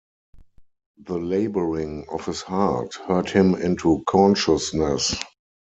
The labouring of his heart hurt him into consciousness.